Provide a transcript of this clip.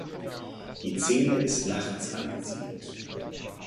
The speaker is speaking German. Die Szene ist nachts angesiedelt.